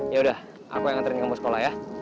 yaudah aku yang ngantriin kembar sekolah ya